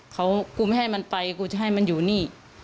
เขากูไม่ให้มันไปกูจะให้มันอยู่นี่